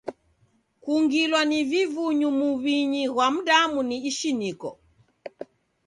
Kungilwa ni vivunyu muw'inyi ghwa mdamu ni ishiniko.